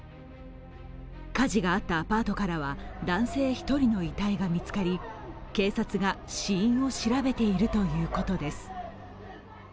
火事があったアパートからは男性１人の遺体が見つかり警察が死因を調べているということです。